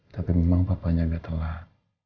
tapi memang papanya nggak telat